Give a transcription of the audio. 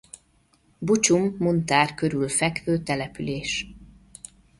Bucsum-Muntár körül fekvő település.